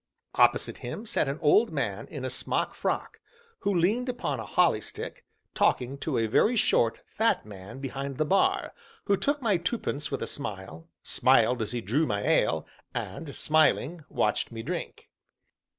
Opposite him sat an old man in a smock frock, who leaned upon a holly stick, talking to a very short, fat man behind the bar, who took my twopence with a smile, smiled as he drew my ale, and, smiling, watched me drink.